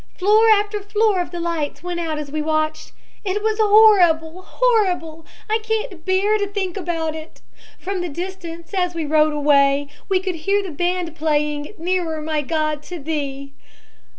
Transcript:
Floor after floor of the lights went out as we watched. It was horrible, horrible. I can't bear to think about it. From the distance, as we rowed away, we could hear the band playing 'Nearer, My God to Thee.'